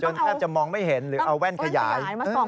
แทบจะมองไม่เห็นหรือเอาแว่นขยาย